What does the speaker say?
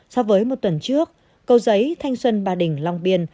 so với một tuần trước cầu giấy thanh xuân ba đình long biên